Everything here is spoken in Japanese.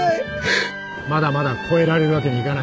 まだまだ超えられるわけにはいかない。